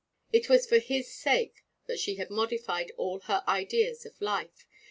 It was for his sake that she had modified all her ideas of life.